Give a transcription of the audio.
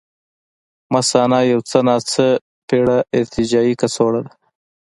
مثانه یو څه ناڅه پېړه ارتجاعي کڅوړه ده.